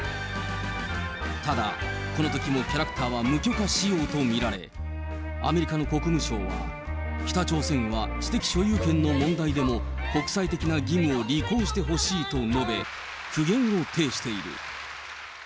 ただ、このときもキャラクターは無許可使用と見られ、アメリカの国務省は、北朝鮮は知的所有権の問題でも、国際的な義務を履行してほしいと述べ、苦言を呈している。